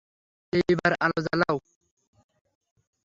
এইবার আলো জ্বালাও।